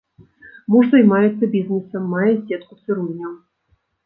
Муж займаецца бізнесам, мае сетку цырульняў.